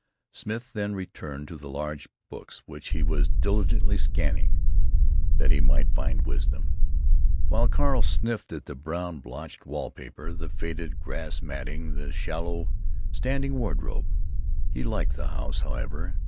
Smith then returned to the large books which he was diligently scanning that he might find wisdom, while Carl sniffed at the brown blotched wall paper, the faded grass matting, the shallow, standing wardrobe.... He liked the house, however.